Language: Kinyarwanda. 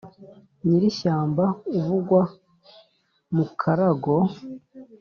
nyiri ishyamba uvugwa mu mukarago